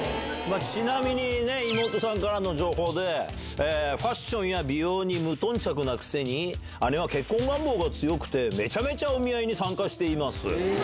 ちなみに、妹さんからの情報で、ファッションや美容に無頓着なくせに、姉は結婚願望が強くて、めちゃめちゃお見合いに参加しています。